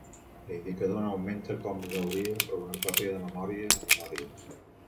L"indicador no augmenta com deuria per a una còpia de memòria a memòria.